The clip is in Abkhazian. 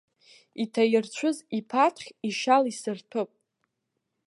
Иҭаирцәыз иԥаҭхь ишьала исырҭәып.